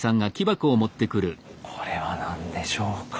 これは何でしょうか？